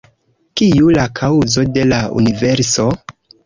Kiu la kaŭzo de la universo?